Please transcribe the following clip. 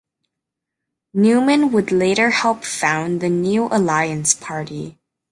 Newman would later help found the New Alliance Party.